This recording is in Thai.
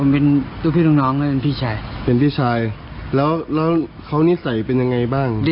เป็นคนยังไง